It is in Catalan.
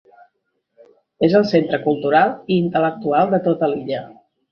És el centre cultural i intel·lectual de tota l'illa.